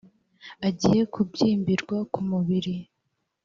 agiye kubyimbirwa kumubiri